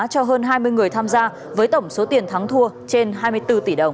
cho hơn hai mươi người tham gia với tổng số tiền thắng thua trên hai mươi bốn tỷ đồng